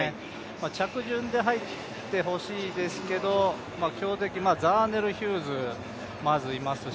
着順で入ってほしいですけど強敵、ザーネル・ヒューズ、まずいますし。